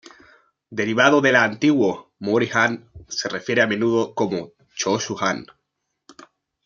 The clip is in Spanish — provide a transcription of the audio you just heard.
Derivado de la antiguo, "Mōri Han" se refiere a menudo como Chōshū Han.